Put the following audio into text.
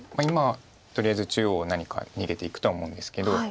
今とりあえず中央を何か逃げていくとは思うんですけど。